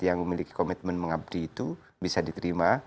yang memiliki komitmen mengabdi itu bisa diterima